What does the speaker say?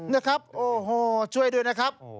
นะครับโอ้โหช่วยด้วยนะครับ